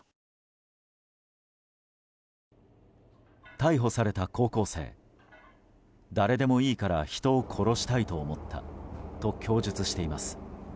逮捕された高校生誰でもいいから人を殺したいと思ったと供述しています。